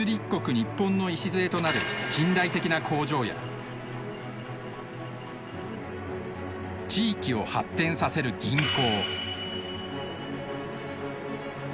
ニッポンの礎となる近代的な工場や地域を発展させる銀行。